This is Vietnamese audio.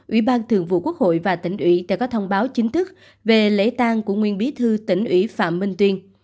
ủy ban thường vụ quốc hội và tỉnh ủy đã có thông báo chính thức về lễ tang của nguyên bí thư tỉnh ủy phạm minh tuyên